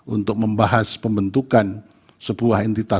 untuk membahas pembentukan sebuah entitas